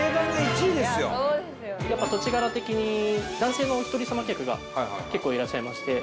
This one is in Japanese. やっぱり土地柄的に男性のお一人様客が結構いらっしゃいまして。